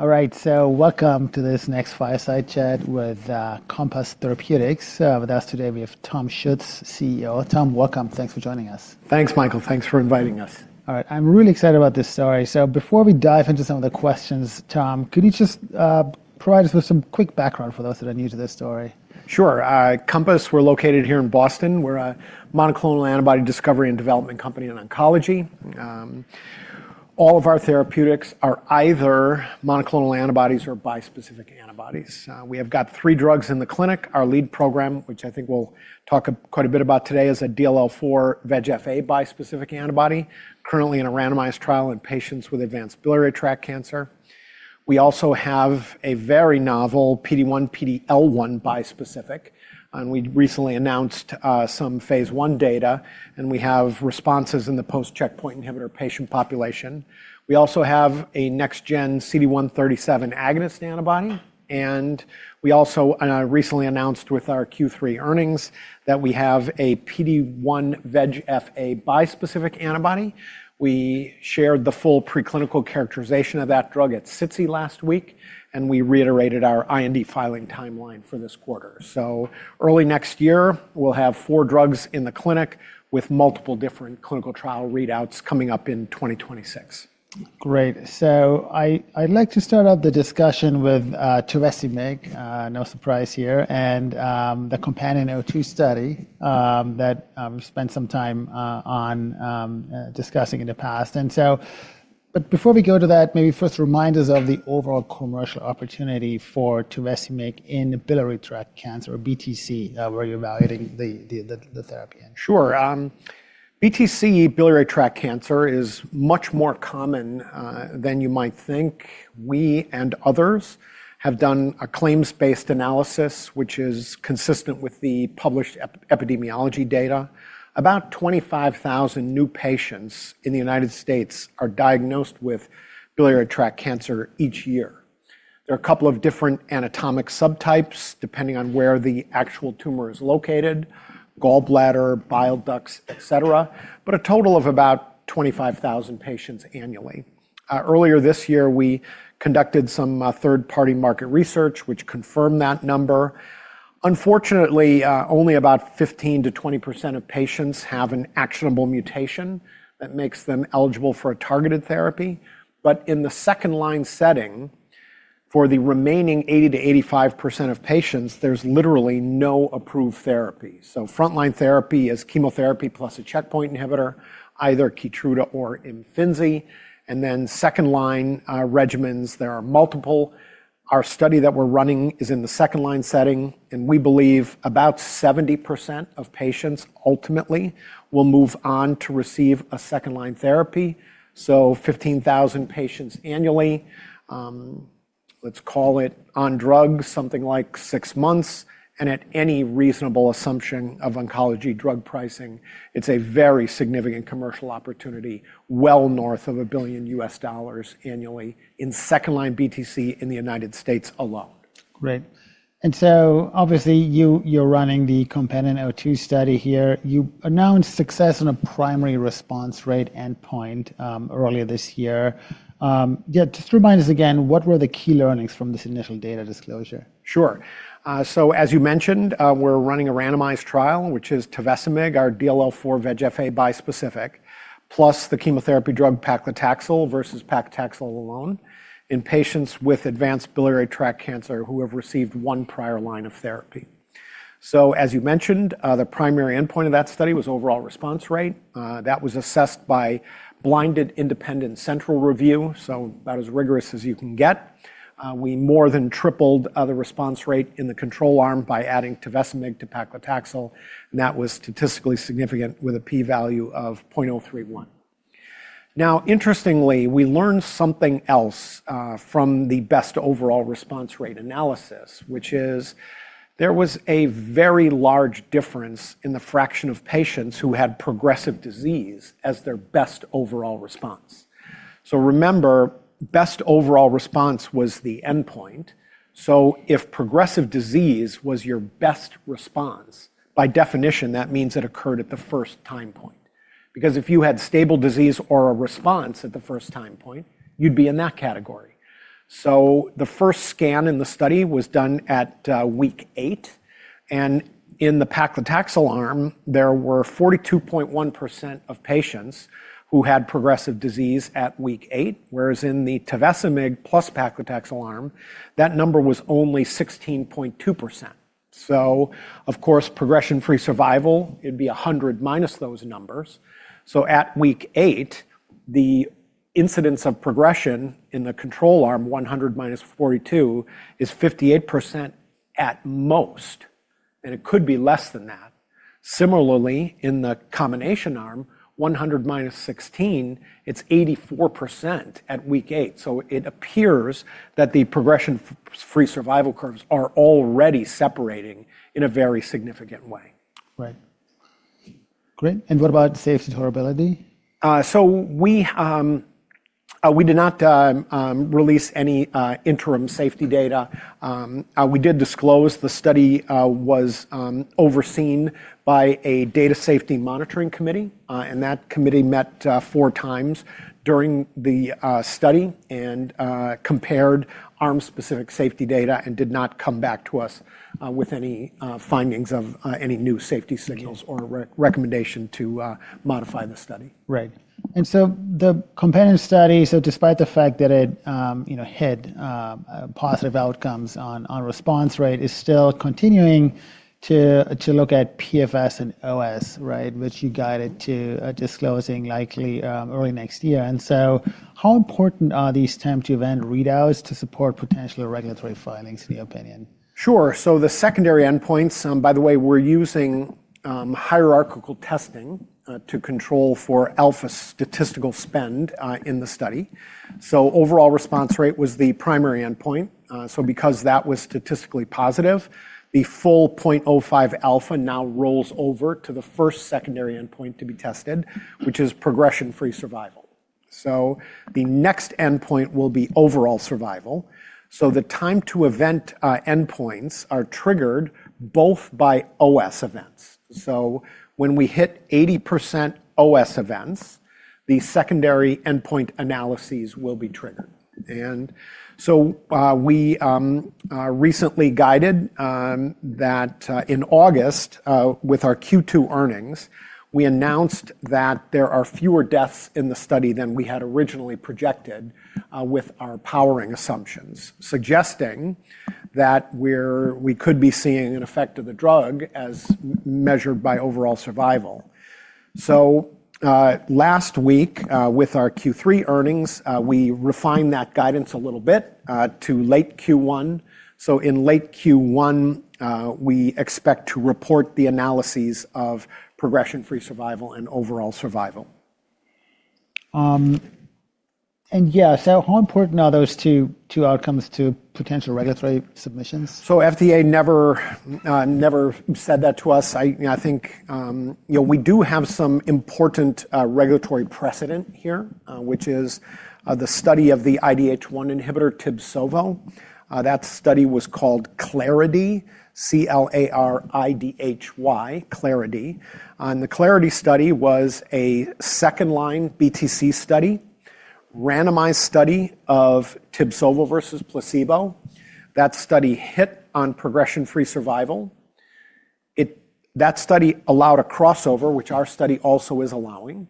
All right, so welcome to this next fireside chat with Compass Therapeutics. With us today, we have Tom Schuetz, CEO. Tom, welcome. Thanks for joining us. Thanks, Michael. Thanks for inviting us. All right, I'm really excited about this story. Before we dive into some of the questions, Tom, could you just provide us with some quick background for those that are new to this story? Sure. Compass, we're located here in Boston. We're a monoclonal antibody discovery and development company in oncology. All of our therapeutics are either monoclonal antibodies or bispecific antibodies. We have got three drugs in the clinic. Our lead program, which I think we'll talk quite a bit about today, is a DLL4 VEGFA bispecific antibody, currently in a randomized trial in patients with advanced biliary tract cancer. We also have a very novel PD-1, PD-L1 bispecific. We recently announced some Phase I data, and we have responses in the post–checkpoint inhibitor patient population. We also have a next-gen CD137 agonist antibody. We also recently announced with our Q3 earnings that we have a PD-1 VEGFA bispecific antibody. We shared the full preclinical characterization of that drug at CITSI last week, and we reiterated our IND filing timeline for this quarter. Early next year, we'll have four drugs in the clinic with multiple different clinical trial readouts coming up in 2026. Great. I'd like to start out the discussion with Tuvesimig, no surprise here, and the COMPANION-002 Study that we've spent some time on discussing in the past. Before we go to that, maybe first remind us of the overall commercial opportunity for Tuvesimig in biliary tract cancer, or BTC, where you're evaluating the therapy. Sure. BTC, biliary tract cancer, is much more common than you might think. We and others have done a claims-based analysis, which is consistent with the published epidemiology data. About 25,000 new patients in the United States are diagnosed with biliary tract cancer each year. There are a couple of different anatomic subtypes, depending on where the actual tumor is located: gallbladder, bile ducts, et cetera, but a total of about 25,000 patients annually. Earlier this year, we conducted some third-party market research, which confirmed that number. Unfortunately, only about 15%-20% of patients have an actionable mutation that makes them eligible for a targeted therapy. In the second-line setting, for the remaining 80%-85% of patients, there's literally no approved therapy. Front-line therapy is chemotherapy plus a checkpoint inhibitor, either Keytruda or Imfinzi. Then second-line regimens, there are multiple. Our study that we're running is in the second-line setting, and we believe about 70% of patients ultimately will move on to receive a second-line therapy. So 15,000 patients annually, let's call it on drugs, something like six months, and at any reasonable assumption of oncology drug pricing, it's a very significant commercial opportunity, well north of a billion $ annually in second-line BTC in the United States alone. Great. Obviously, you're running the COMPANION-002 Study here. You announced success on a primary response rate endpoint earlier this year. Yeah, just remind us again, what were the key learnings from this initial data disclosure? Sure. As you mentioned, we're running a randomized trial, which is Tuvesimig, our DLL4 VEGFA bispecific, plus the chemotherapy drug paclitaxel versus paclitaxel alone in patients with advanced biliary tract cancer who have received one prior line of therapy. As you mentioned, the primary endpoint of that study was overall response rate. That was assessed by blinded independent central review, about as rigorous as you can get. We more than tripled the response rate in the control arm by adding Tuvesimig to paclitaxel, and that was statistically significant with a p-value of 0.031. Interestingly, we learned something else from the best overall response rate analysis, which is there was a very large difference in the fraction of patients who had progressive disease as their best overall response. Remember, best overall response was the endpoint. If progressive disease was your best response, by definition, that means it occurred at the first time point. Because if you had stable disease or a response at the first time point, you'd be in that category. The first scan in the study was done at week eight. In the paclitaxel arm, there were 42.1% of patients who had progressive disease at week eight, whereas in the Tuvesimig plus paclitaxel arm, that number was only 16.2%. Of course, progression-free survival, it'd be 100 minus those numbers. At week eight, the incidence of progression in the control arm, 100-42, is 58% at most, and it could be less than that. Similarly, in the combination arm, 100-16, it's 84% at week eight. It appears that the progression-free survival curves are already separating in a very significant way. Right. Great. And what about safety tolerability? We did not release any interim safety data. We did disclose the study was overseen by a data safety monitoring committee, and that committee met four times during the study and compared arm-specific safety data and did not come back to us with any findings of any new safety signals or recommendation to modify the study. Right. And so the COMPANION-002 Study, so despite the fact that it hit positive outcomes on response rate, is still continuing to look at PFS and OS, right, which you guided to disclosing likely early next year. And so how important are these time-to-event readouts to support potential regulatory filings, in your opinion? Sure. The secondary endpoints, by the way, we're using hierarchical testing to control for alpha statistical spend in the study. Overall response rate was the primary endpoint. Because that was statistically positive, the full 0.05 alpha now rolls over to the first secondary endpoint to be tested, which is progression-free survival. The next endpoint will be overall survival. The time-to-event endpoints are triggered both by OS events. When we hit 80% OS events, the secondary endpoint analyses will be triggered. We recently guided that in August, with our Q2 earnings, we announced that there are fewer deaths in the study than we had originally projected with our powering assumptions, suggesting that we could be seeing an effect of the drug as measured by overall survival. Last week, with our Q3 earnings, we refined that guidance a little bit to late Q1. In late Q1, we expect to report the analyses of progression-free survival and overall survival. Yeah, so how important are those two outcomes to potential regulatory submissions? FDA never said that to us. I think we do have some important regulatory precedent here, which is the study of the IDH1 inhibitor, Tibsovo. That study was called CLARIDY, C-L-A-R-I-D-H-Y, CLARIDY. The CLARIDY study was a second-line BTC study, randomized study of Tibsovo versus placebo. That study hit on progression-free survival. That study allowed a crossover, which our study also is allowing.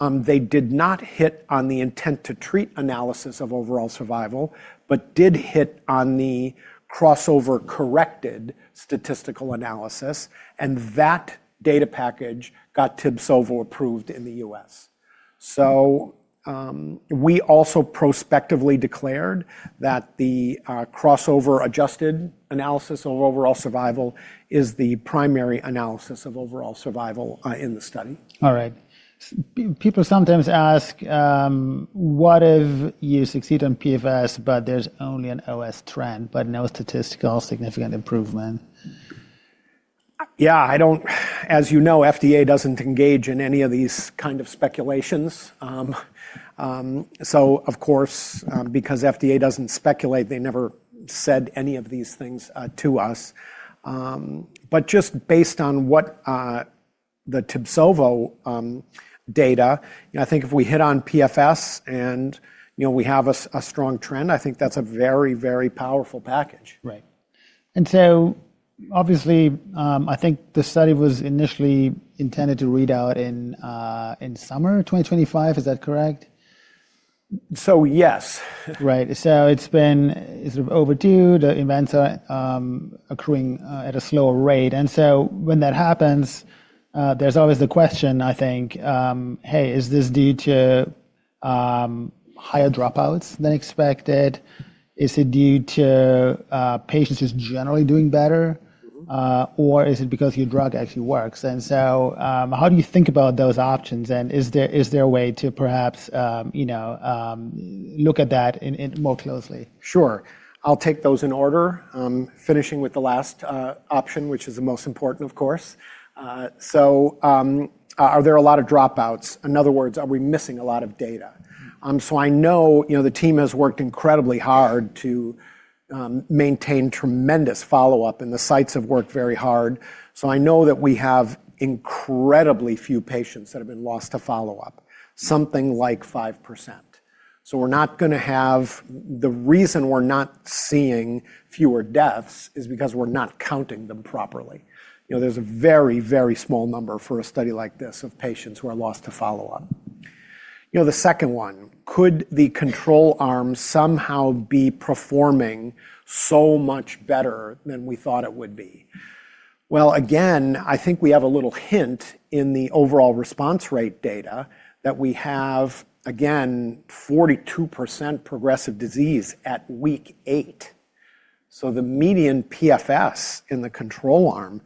They did not hit on the intent to treat analysis of overall survival, but did hit on the crossover-corrected statistical analysis. That data package got Tibsovo approved in the US. We also prospectively declared that the crossover-adjusted analysis of overall survival is the primary analysis of overall survival in the study. All right. People sometimes ask, what if you succeed on PFS, but there's only an OS trend, but no statistically significant improvement? Yeah, I don't, as you know, FDA doesn't engage in any of these kinds of speculations. Of course, because FDA doesn't speculate, they never said any of these things to us. Just based on what the Tibsovo data, I think if we hit on PFS and we have a strong trend, I think that's a very, very powerful package. Right. And so obviously, I think the study was initially intended to read out in summer 2025, is that correct? So yes. Right. It has been sort of overdue. The events are occurring at a slower rate. When that happens, there is always the question, I think, hey, is this due to higher dropouts than expected? Is it due to patients just generally doing better? Or is it because your drug actually works? How do you think about those options? Is there a way to perhaps look at that more closely? Sure. I'll take those in order, finishing with the last option, which is the most important, of course. Are there a lot of dropouts? In other words, are we missing a lot of data? I know the team has worked incredibly hard to maintain tremendous follow-up, and the sites have worked very hard. I know that we have incredibly few patients that have been lost to follow-up, something like 5%. We're not going to have the reason we're not seeing fewer deaths is because we're not counting them properly. There's a very, very small number for a study like this of patients who are lost to follow-up. The second one, could the control arm somehow be performing so much better than we thought it would be? I think we have a little hint in the overall response rate data that we have, again, 42% progressive disease at week eight. The median PFS in the control arm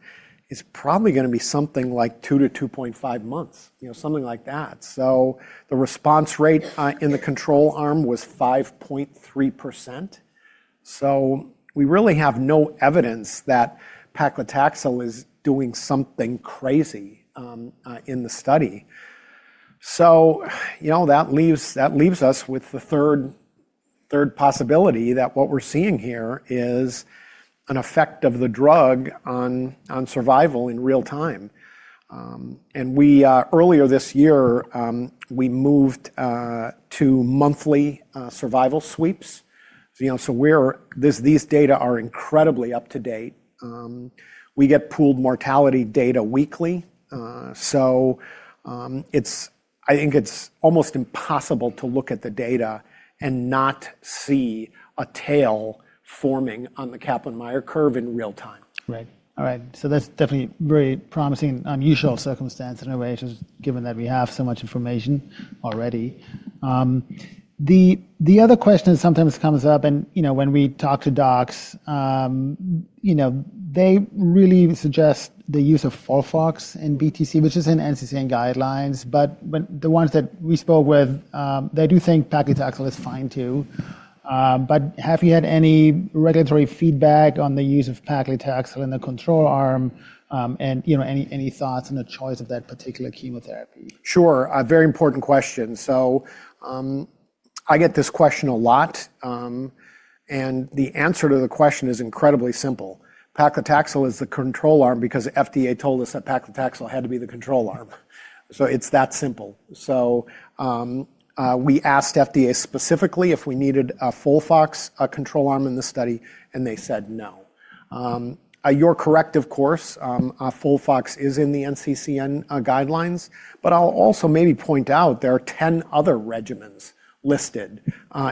is probably going to be something like 2-2.5 months, something like that. The response rate in the control arm was 5.3%. We really have no evidence that paclitaxel is doing something crazy in the study. That leaves us with the third possibility that what we're seeing here is an effect of the drug on survival in real time. Earlier this year, we moved to monthly survival sweeps. These data are incredibly up to date. We get pooled mortality data weekly. I think it's almost impossible to look at the data and not see a tail forming on the Kaplan-Meier curve in real time. Right. All right. So that's definitely a very promising, unusual circumstance in a way, just given that we have so much information already. The other question that sometimes comes up, and when we talk to docs, they really suggest the use of FOLFOX in BTC, which is in NCCN guidelines. The ones that we spoke with, they do think paclitaxel is fine too. Have you had any regulatory feedback on the use of paclitaxel in the control arm and any thoughts on the choice of that particular chemotherapy? Sure. Very important question. I get this question a lot. The answer to the question is incredibly simple. Paclitaxel is the control arm because FDA told us that paclitaxel had to be the control arm. It is that simple. We asked FDA specifically if we needed a FOLFOX control arm in the study, and they said no. You are correct, of course, FOLFOX is in the NCCN guidelines. I will also maybe point out there are 10 other regimens listed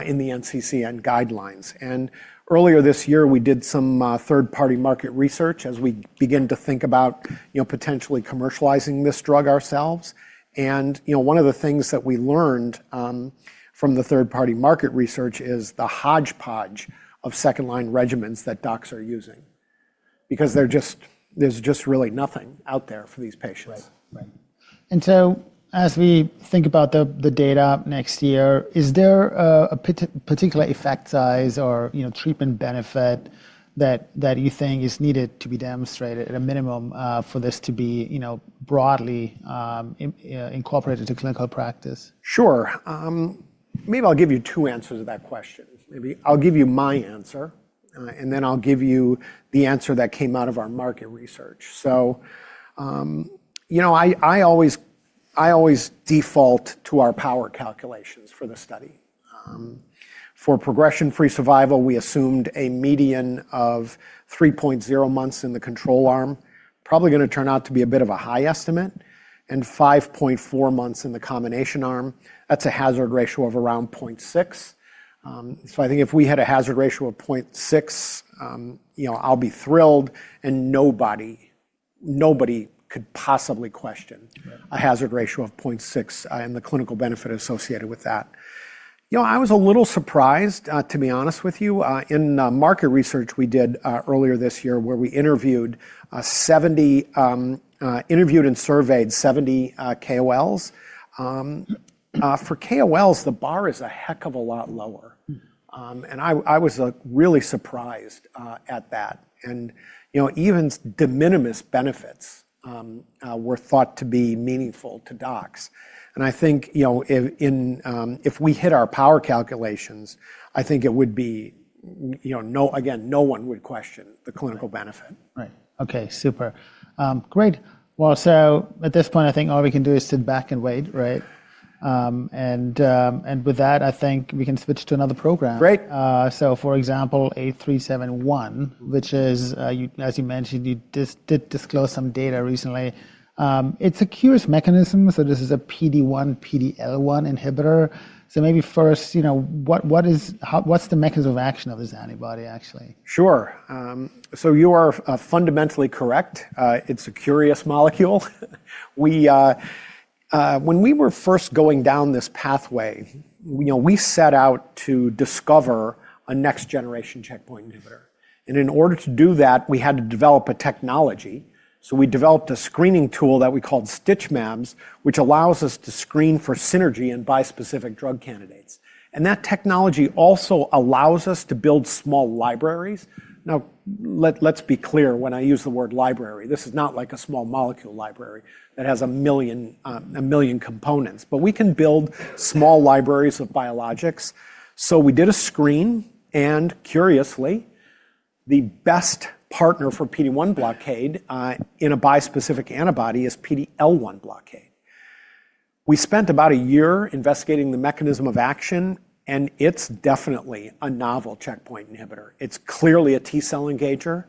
in the NCCN guidelines. Earlier this year, we did some third-party market research as we began to think about potentially commercializing this drug ourselves. One of the things that we learned from the third-party market research is the hodgepodge of second-line regimens that docs are using because there is just really nothing out there for these patients. Right. As we think about the data next year, is there a particular effect size or treatment benefit that you think is needed to be demonstrated at a minimum for this to be broadly incorporated into clinical practice? Sure. Maybe I'll give you two answers to that question. Maybe I'll give you my answer, and then I'll give you the answer that came out of our market research. I always default to our power calculations for the study. For progression-free survival, we assumed a median of 3.0 months in the control arm, probably going to turn out to be a bit of a high estimate, and 5.4 months in the combination arm. That's a hazard ratio of around 0.6. I think if we had a hazard ratio of 0.6, I'll be thrilled, and nobody could possibly question a hazard ratio of 0.6 and the clinical benefit associated with that. I was a little surprised, to be honest with you. In market research we did earlier this year, where we interviewed and surveyed 70 KOLs. For KOLs, the bar is a heck of a lot lower. I was really surprised at that. Even de minimis benefits were thought to be meaningful to docs. I think if we hit our power calculations, I think it would be, again, no one would question the clinical benefit. Right. Okay. Super. Great. At this point, I think all we can do is sit back and wait, right? With that, I think we can switch to another program. Great. For example, 8371, which is, as you mentioned, you did disclose some data recently. It's a curious mechanism. This is a PD-1, PD-L1 inhibitor. Maybe first, what's the mechanism of action of this antibody, actually? Sure. You are fundamentally correct. It's a curious molecule. When we were first going down this pathway, we set out to discover a next-generation checkpoint inhibitor. In order to do that, we had to develop a technology. We developed a screening tool that we called StitchMAMS, which allows us to screen for synergy in bispecific drug candidates. That technology also allows us to build small libraries. Now, let's be clear when I use the word library. This is not like a small molecule library that has a million components. We can build small libraries of biologics. We did a screen, and curiously, the best partner for PD-1 blockade in a bispecific antibody is PD-L1 blockade. We spent about a year investigating the mechanism of action, and it's definitely a novel checkpoint inhibitor. It's clearly a T cell engager.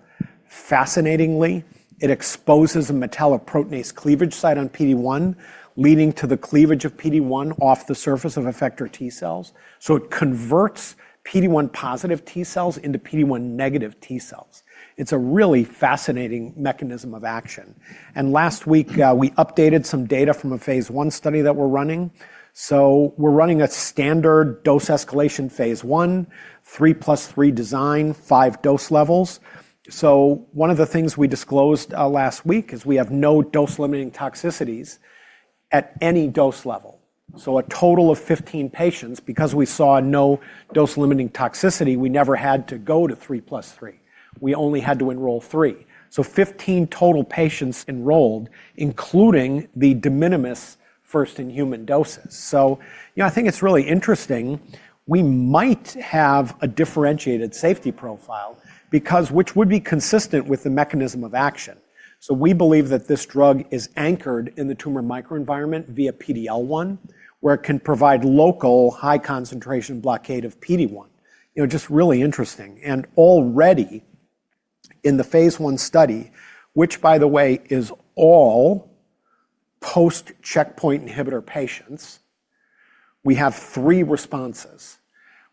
Fascinatingly, it exposes a metalloproteinase cleavage site on PD-1, leading to the cleavage of PD-1 off the surface of effector T cells. It converts PD-1 positive T cells into PD-1 negative T cells. It is a really fascinating mechanism of action. Last week, we updated some data from a Phase I study that we are running. We are running a standard dose escalation Phase I, three plus three design, five dose levels. One of the things we disclosed last week is we have no dose-limiting toxicities at any dose level. A total of 15 patients, because we saw no dose-limiting toxicity, we never had to go to three plus three. We only had to enroll three. Fifteen total patients enrolled, including the de minimis first in human doses. I think it is really interesting. We might have a differentiated safety profile, which would be consistent with the mechanism of action. We believe that this drug is anchored in the tumor microenvironment via PD-L1, where it can provide local high-concentration blockade of PD-1. Just really interesting. Already in the Phase I study, which, by the way, is all post-checkpoint inhibitor patients, we have three responses.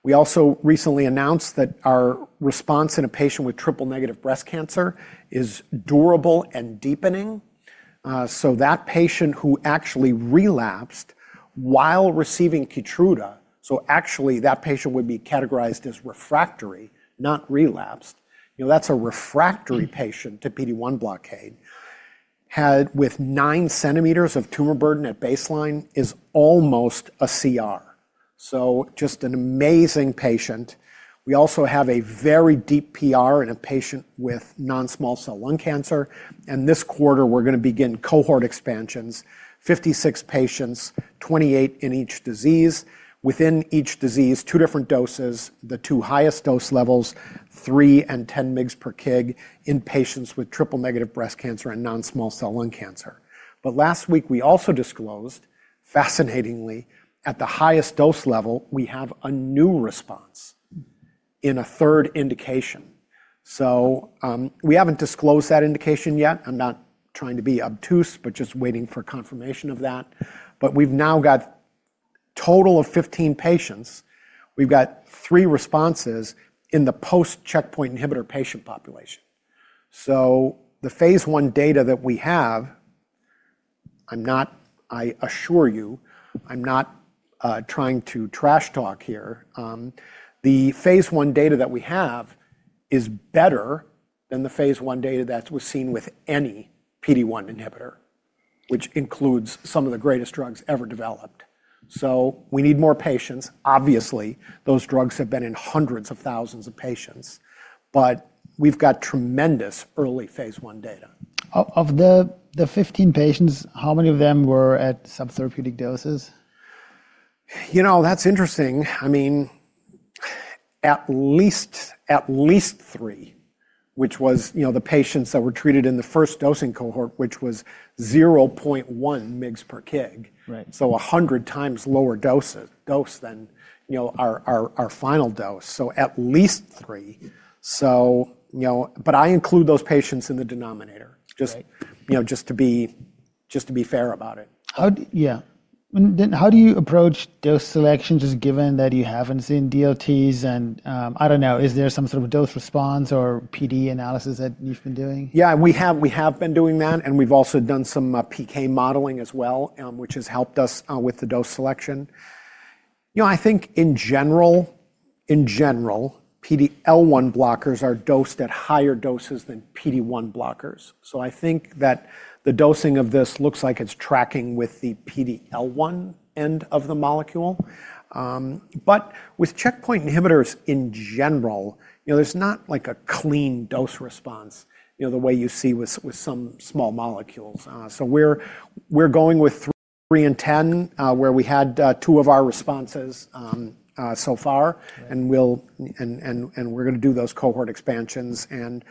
We also recently announced that our response in a patient with triple-negative breast cancer is durable and deepening. That patient who actually relapsed while receiving Keytruda, actually that patient would be categorized as refractory, not relapsed, that's a refractory patient to PD-1 blockade, with 9 centimeters of tumor burden at baseline, is almost a CR. Just an amazing patient. We also have a very deep PR in a patient with non-small cell lung cancer. This quarter, we're going to begin cohort expansions, 56 patients, 28 in each disease. Within each disease, two different doses, the two highest dose levels, 3 and 10 mg/kg, in patients with triple-negative breast cancer and non-small cell lung cancer. Last week, we also disclosed, fascinatingly, at the highest dose level, we have a new response in a third indication. We have not disclosed that indication yet. I'm not trying to be obtuse, just waiting for confirmation of that. We have now got a total of 15 patients. We have three responses in the post-checkpoint inhibitor patient population. The Phase I data that we have, I assure you, I'm not trying to trash talk here. The Phase I data that we have is better than the Phase I data that was seen with any PD-1 inhibitor, which includes some of the greatest drugs ever developed. We need more patients. Obviously, those drugs have been in hundreds of thousands of patients. We've got tremendous early Phase I data. Of the 15 patients, how many of them were at subtherapeutic doses? You know, that's interesting. I mean, at least three, which was the patients that were treated in the first dosing cohort, which was 0.1 mg per kg. So 100 times lower dose than our final dose. At least three. I include those patients in the denominator, just to be fair about it. Yeah. How do you approach dose selection, just given that you haven't seen DLTs? And I don't know, is there some sort of dose response or PD analysis that you've been doing? Yeah, we have been doing that. And we've also done some PK modeling as well, which has helped us with the dose selection. I think in general, PD-L1 blockers are dosed at higher doses than PD-1 blockers. So I think that the dosing of this looks like it's tracking with the PD-L1 end of the molecule. But with checkpoint inhibitors in general, there's not a clean dose response the way you see with some small molecules. So we're going with 3 and 10, where we had two of our responses so far. And we're going to do those cohort expansions. And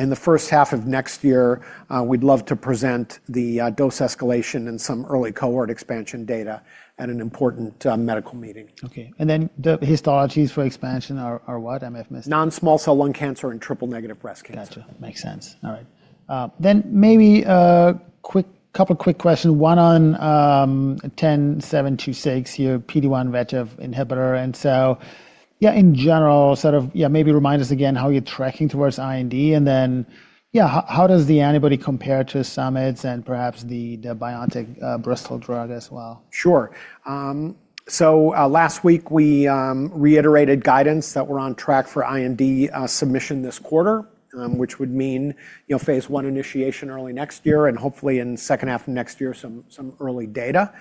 in the first half of next year, we'd love to present the dose escalation and some early cohort expansion data at an important medical meeting. Okay. The histologies for expansion are what? I misheard. Non-small cell lung cancer and triple-negative breast cancer. Gotcha. Makes sense. All right. Maybe a couple of quick questions. One on 10726 here, PD-1 retinol inhibitor. In general, maybe remind us again how you're tracking towards IND. How does the antibody compare to Sumitomo's and perhaps the BioNTech Bristol drug as well? Sure. Last week, we reiterated guidance that we're on track for IND submission this quarter, which would mean Phase I initiation early next year and hopefully in the second half of next year, some early data.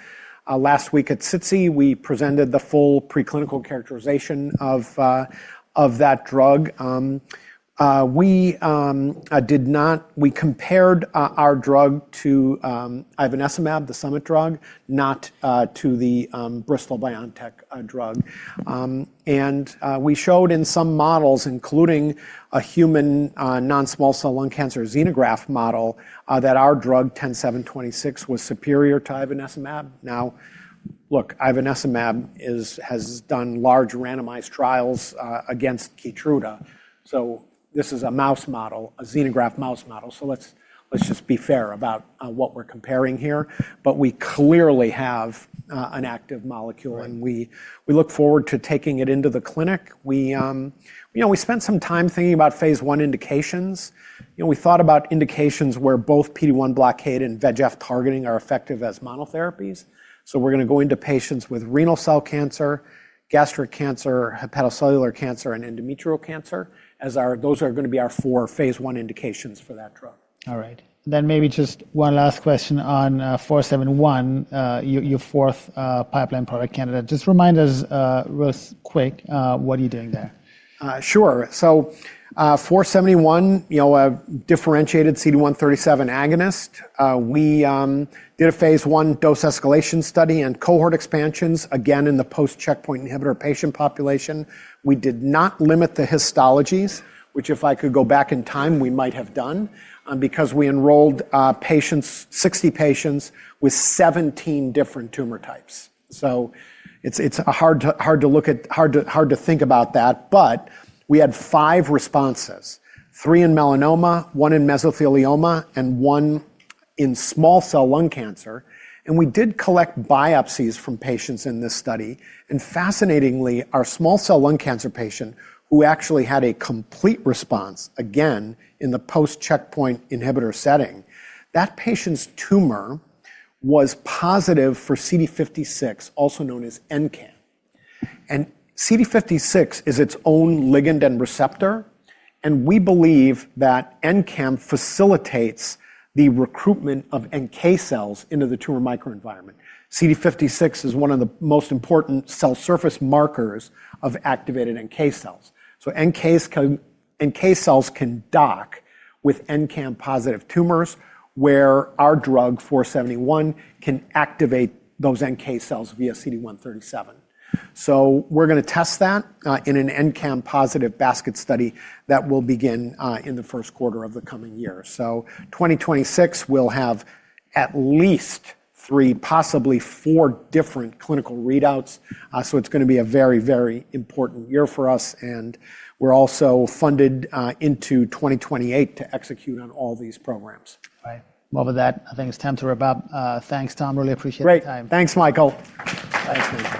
Last week at SITSI, we presented the full preclinical characterization of that drug. We compared our drug to Ivenesumab, the Sumitomo drug, not to the Bristol Myers Squibb BioNTech drug. We showed in some models, including a human non-small cell lung cancer xenograft model, that our drug, 10726, was superior to Ivenesumab. Now, look, Ivenesumab has done large randomized trials against Keytruda. This is a mouse model, a xenograft mouse model. Let's just be fair about what we're comparing here. We clearly have an active molecule. We look forward to taking it into the clinic. We spent some time thinking about Phase I indications. We thought about indications where both PD-1 blockade and VEGF targeting are effective as monotherapies. We are going to go into patients with renal cell cancer, gastric cancer, hepatocellular cancer, and endometrial cancer, as those are going to be our four Phase I indications for that drug. All right. Maybe just one last question on 471, your fourth pipeline product candidate. Just remind us real quick, what are you doing there? Sure. 471, differentiated CD137 agonist. We did a Phase I dose escalation study and cohort expansions, again, in the post-checkpoint inhibitor patient population. We did not limit the histologies, which if I could go back in time, we might have done, because we enrolled 60 patients with 17 different tumor types. It's hard to think about that. We had five responses, three in melanoma, one in mesothelioma, and one in small cell lung cancer. We did collect biopsies from patients in this study. Fascinatingly, our small cell lung cancer patient, who actually had a complete response, again, in the post-checkpoint inhibitor setting, that patient's tumor was positive for CD56, also known as NCAM. CD56 is its own ligand and receptor. We believe that NCAM facilitates the recruitment of NK cells into the tumor microenvironment. CD56 is one of the most important cell surface markers of activated NK cells. NK cells can dock with NCAM-positive tumors, where our drug, 471, can activate those NK cells via CD137. We're going to test that in an NCAM-positive basket study that will begin in the first quarter of the coming year. In 2026, we'll have at least three, possibly four different clinical readouts. It's going to be a very, very important year for us. We're also funded into 2028 to execute on all these programs. All right. With that, I think it's time to wrap up. Thanks, Tom. Really appreciate your time. Great. Thanks, Michael. Thanks.